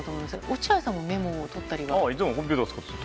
落合さんもメモを取ったりは？